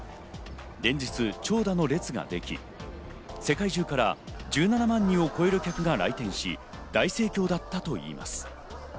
連日長蛇の列ができ、世界中から１７万人を超える客が来店し、大盛況だったといいます。